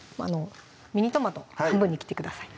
ミニトマト半分に切ってください